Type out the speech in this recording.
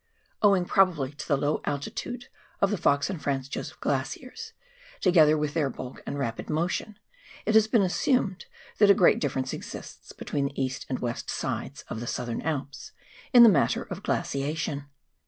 Owing probably to the low altitude of the Fox and Franz Josef Glaciers, together with their bulk and rapid motion, it has been assumed that a great difference exists between the east and west sides of the Southern Alps in the matter of glaciation.